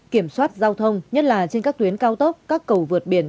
kiểm soát giao thông nhất là trên các tuyến cao tốc các cầu vượt biển